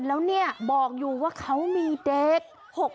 แล้วบอกอยู่ว่าเขามีเด็ก